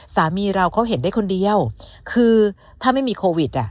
สามีเราเขาเห็นได้คนเดียวคือถ้าไม่มีโควิดอ่ะ